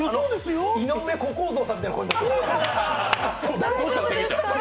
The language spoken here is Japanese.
井上小公造さんみたいな声になって。